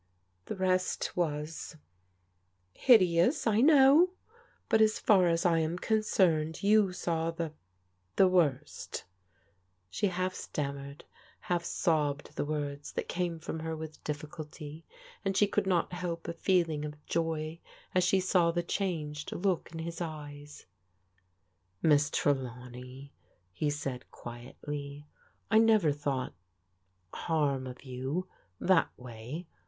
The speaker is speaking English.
The rest was — ^hideous, I know, but as far as I am con cerned, you saw the — ^the worst'* She half stammered, half sobbed the words that came from her with difficulty, and she could not help a feeling of joy as she saw the changed look in his eyes. " Miss Trelawney," he said quietly, " I never thought —harm of you, — that way.